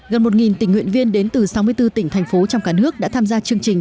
gần một tình nguyện viên đến từ sáu mươi bốn tỉnh thành phố trong cả nước đã tham gia chương trình